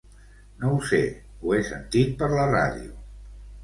No ho sé, ho he sentit per la ràdio.